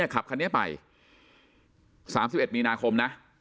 ขับคันนี้ไป๓๑มีนาคมนะ